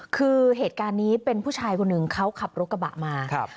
คือเหตุการณ์นี้เป็นผู้ชายคนหนึ่งเขาขับรถกระบะมาครับ